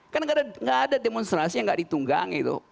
karena tidak ada demonstrasi yang tidak ditunggangi